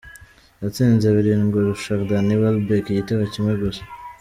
Yatsinze birindwi arusha Danny Welbeck igitego kimwe gusa.